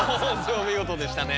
お見事でしたね。